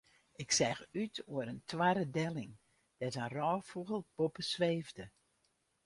Ik seach út oer in toarre delling dêr't in rôffûgel boppe sweefde.